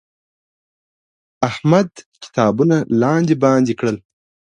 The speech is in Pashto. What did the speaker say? احمد کتابونه لاندې باندې کړل.